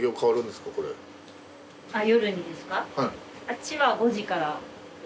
あっちは５時からです。